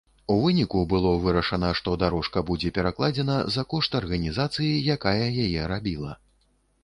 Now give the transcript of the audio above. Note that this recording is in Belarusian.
У выніку было вырашана, што дарожка будзе перакладзена за кошт арганізацыі, якая яе рабіла.